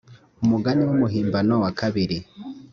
umugani w umuhimbano wa kabiri